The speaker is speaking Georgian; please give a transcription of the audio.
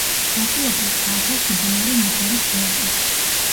ნაწილობრივ წააგავს მდინარე ნიგერის დელტას.